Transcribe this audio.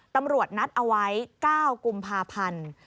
ตำรวจนัดเอาไว้๙กพันธุ์